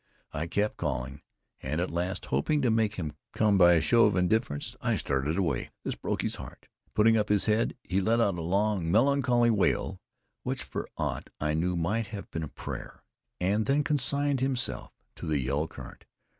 I kept calling, and at last, hoping to make him come by a show of indifference, I started away. This broke his heart. Putting up his head, he let out a long, melancholy wail, which for aught I knew might have been a prayer, and then consigned himself to the yellow current.